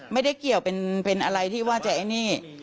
ไม่ได้เกี่ยวเป็นอะไรที่ว่าจะไอ้นี่